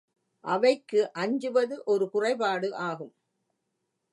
அவைக்கு அஞ்சுவது ஒரு குறைபாடு ஆகும்.